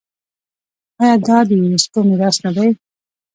آیا دا د یونیسکو میراث نه دی؟